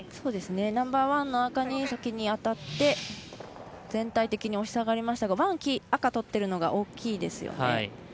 ナンバーワンの赤に先に当たって全体的に押し下がりましたがワン、赤、取ってるのが大きいですよね。